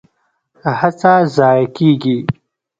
هڅه ضایع کیږي؟